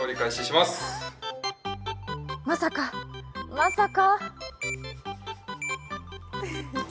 まさか、まさか？